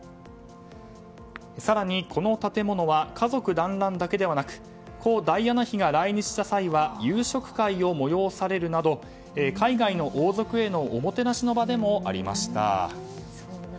更に、この建物は家族団らんだけではなく故ダイアナ妃が来日した際は夕食会を催されるなど海外の王族へのおもてなしの場でもありました。